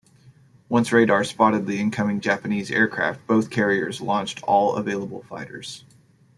Once radar spotted the incoming Japanese aircraft, both carriers launched all available fighters.